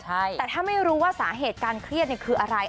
แต่ถ้าไม่รู้ว่าสาเหตุการเครียดคืออะไร